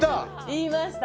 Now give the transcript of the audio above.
言いました。